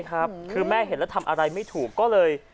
คือแม่เห็นแล้วทำอะไรไม่ถูกก็เลย